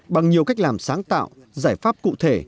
bằng nhiều cách làm sáng tạo giải pháp cụ thể